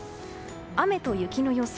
雨と雪の予想。